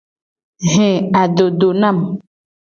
He adodo nam.